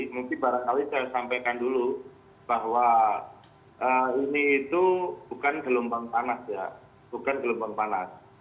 mungkin barangkali saya sampaikan dulu bahwa ini itu bukan gelombang panas ya bukan gelombang panas